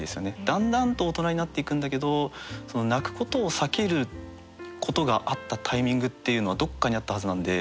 だんだんと大人になっていくんだけどその泣くことを避けることがあったタイミングっていうのはどっかにあったはずなんで。